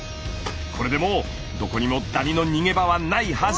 これでもうどこにもダニの逃げ場はないはず！